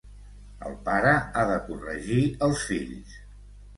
El pare ha de corregir els fills.